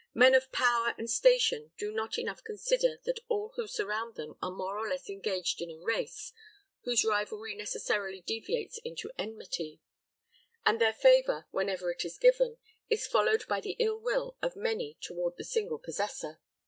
Men of power and station do not enough consider that all who surround them are more or less engaged in a race, whose rivalry necessarily deviates into enmity; and their favor, whenever it is given, is followed by the ill will of many toward the single possessor.